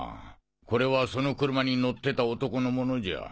これはその車に乗ってた男の物じゃ。